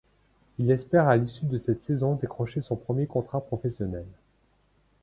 Il espère à l'issue de cette saison décrocher son premier contrat professionnel.